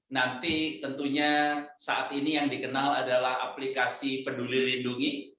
nanti tentunya saat ini yang dikenal adalah aplikasi peduli lindungi